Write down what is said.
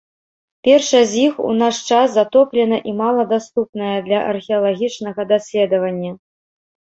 Першая з іх у наш час затоплена і мала даступная для археалагічнага даследавання.